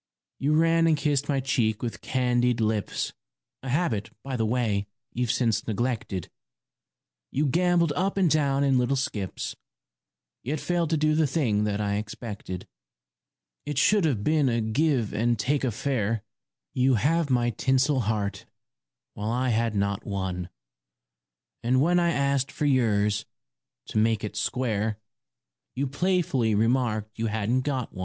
You ran and kissed my cheek with candied lips, A habit, by the way, you've since neglected ; You gambolled up and down in little skips, Yet failed to do the thing that I expected. It should have been a give and take affair; You had my tinsel heart, while I had not one, And when I asked for yours, to make it square, You playfully remarked you hadn't got one.